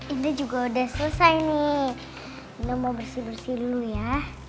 ini juga udah selesai nih ini mau bersih bersih dulu ya